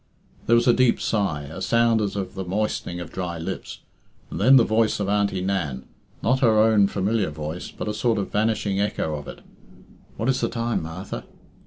There was a deep sigh, a sound as of the moistening of dry lips, and then the voice of Auntie Nan not her own familiar voice, but a sort of vanishing echo of it. "What is the time, Martha?"